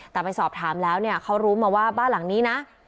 แต่ไปสอบถามแล้วเนี่ยเขารู้มาว่าบ้านหลังนี้นะ